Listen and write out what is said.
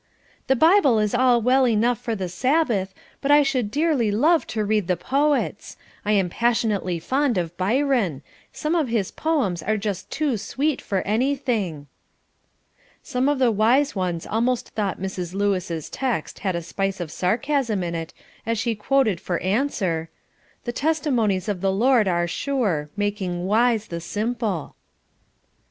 "The Bible is all well enough for the Sabbath, but I should dearly love to read the poets. I am passionately fond of Byron; some of his poems are just too sweet for anything." Some of the wise ones almost thought Mrs. Lewis' text had a spice of sarcasm in it as she quoted for answer, "The testimonies of the Lord are sure, making wise the simple."